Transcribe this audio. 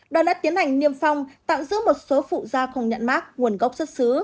đó đã tiến hành niêm phong tạm giữ một số phụ gia không nhận mát nguồn gốc xuất xứ